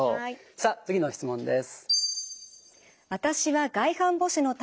さあ次の質問です。